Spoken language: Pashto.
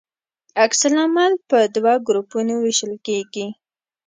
عکس العمل په دوه ګروپونو ویشل کیږي.